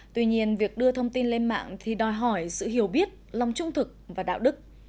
tuy nhiên việc đưa thông tin lên mạng thì đòi hỏi sự hiểu biết lòng trung thực và đạo đức